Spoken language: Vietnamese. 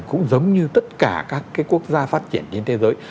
cũng giống như tất cả các cái quốc gia phát triển trên thế giới